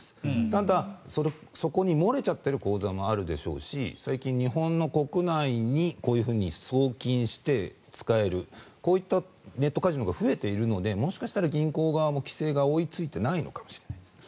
ただ、そこに漏れちゃってる口座もあるでしょうし最近、日本の国内にこういうふうに送金して使えるこういったネットカジノが増えているのでもしかしたら銀行側も規制が追いついてないのかもしれないです。